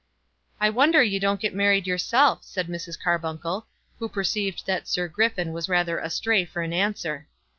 "I wonder you don't get married yourself," said Mrs. Carbuncle, who perceived that Sir Griffin was rather astray for an answer.